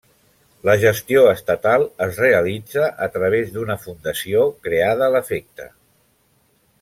La gestió estatal es realitza a través d'una fundació creada l'efecte.